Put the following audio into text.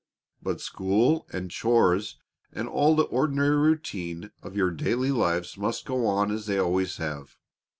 But school and chores and all the ordinary routine of your daily lives must go on as they always have.